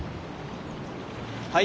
はい？